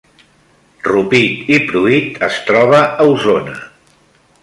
Rupit i Pruit es troba a Osona